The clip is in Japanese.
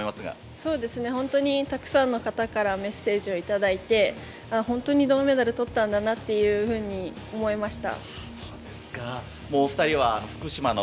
そうですね、本当にたくさんの方からメッセージを頂いて、本当に銅メダルとったんだなっていうふうに思いました。